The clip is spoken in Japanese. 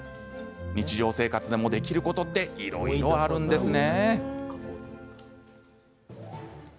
日常生活でも、できることっていろいろあるんですね。